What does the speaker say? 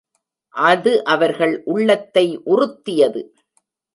அது அவர்கள் உள்ளத்தை உறுத்தியது.